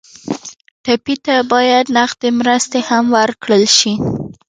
ټپي ته باید نغدې مرستې هم ورکړل شي.